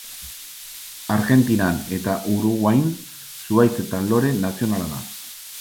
Argentinan eta Uruguain zuhaitz eta lore nazionala da.